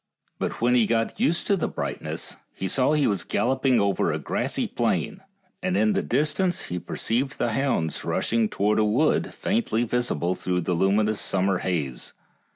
But when he got used to the brightness he saw he was gal loping over a grassy plain, and in the distance he perceived the hounds rushing towards a wood faintly visible through a luminous summer haze.